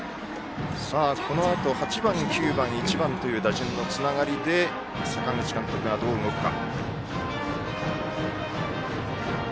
このあと８番、９番、１番という打順のつながりで阪口監督がどう動くか。